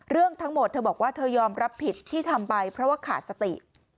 เรื่องทั้งหมดเธอบอกว่าเธอยอมรับผิดที่ทำไปเพราะว่าขาดสติ